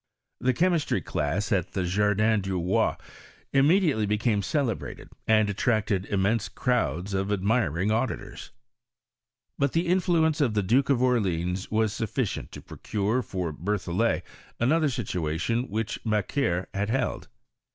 The chemistry class at the Jardin du Roi immediately became celebrated, and attracted immense crowds of ad miring auditors. But the influence of the Duke of Orleans was sufficient to procure for Berthollet another situation which Macquer had held.